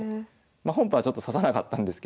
まあ本譜はちょっと指さなかったんですけど。